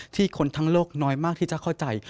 คนทั้งโลกน้อยมากที่จะเข้าใจ